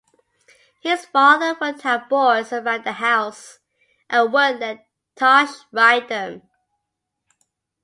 His father would have boards around the house and would let Tosh ride them.